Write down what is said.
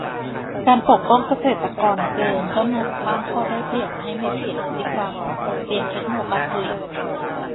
การปกป้องเกษตรกรเกินก็เหมือนสร้างข้อได้เปรียบให้ไม่เปลี่ยนพฤติกรรม เปลี่ยนเทคโนการผลิต